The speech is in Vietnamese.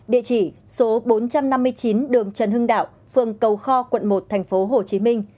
địa chỉ số bốn trăm năm mươi chín đường trần hưng đạo phường cầu kho quận một tp hcm